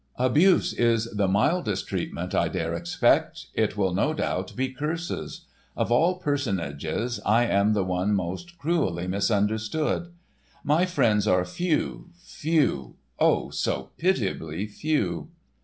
"'Abuse' is the mildest treatment I dare expect; it will no doubt be curses. Of all personages, I am the one most cruelly misunderstood. My friends are few, few,—oh, so pitiably few."